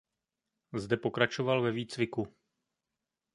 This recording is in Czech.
Zde pokračoval ve výcviku.